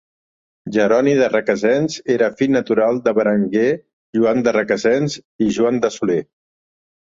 Jeroni de Requesens era fill natural de Berenguer Joan de Requesens i Joan de Soler.